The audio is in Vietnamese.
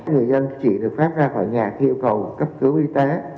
người dân chỉ được phép ra khỏi nhà khi yêu cầu cấp cứu y tế